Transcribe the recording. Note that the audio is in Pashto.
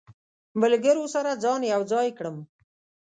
ملګرو سره ځان یو ځای کړم.